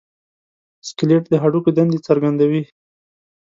سکلیټ د هډوکو دندې څرګندوي.